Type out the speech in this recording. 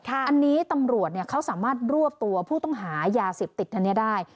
อันนี้ตำรวจเขาสามารถรวบตัวผู้ต้องหายาเสพติดอันนี้ได้